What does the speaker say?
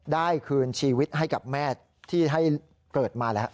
คืนชีวิตให้กับแม่ที่ให้เกิดมาแล้ว